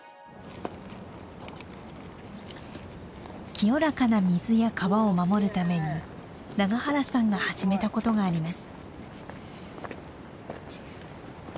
清らかな水や川を守るために永原さんが始めたことがあります。